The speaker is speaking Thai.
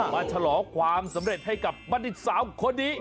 มาชะล้อความสำเร็จให้กับบัตรดิสาวพวกคนนี้